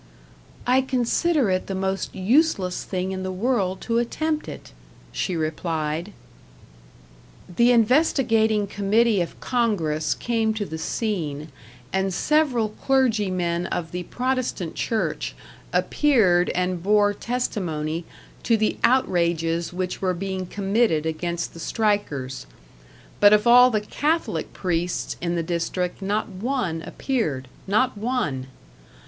"I consider it the most useless thing in the world to attempt it," she replied. The investigating committee of Congress came to the scene, and several clergymen of the Protestant Church appeared and bore testimony to the outrages which were being committed against the strikers; but of all the Catholic priests in the district not one appeared not one!